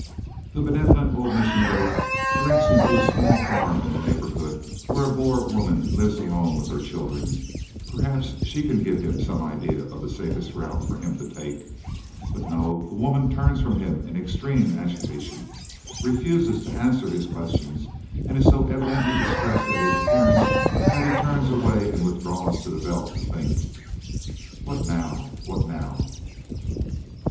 The benevolent old missionary directs him to a small farm in the neighbourhood where a Boer woman lives alone with her little children. Perhaps she can give him some idea of the safest route for him to take. But no, the woman turns from him in extreme agitation, refuses to answer his questions, and is so evidently distressed at his appearance that he turns away and withdraws to the veld to think. What now? What now?